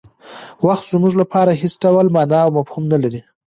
وخت زموږ لپاره هېڅ ډول مانا او مفهوم نه لري.